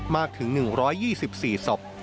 มากถึง๑๒๔ศพ